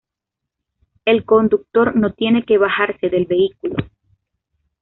El conductor no tiene que bajarse del vehículo.